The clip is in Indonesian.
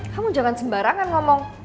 kamu jangan sembarangan ngomong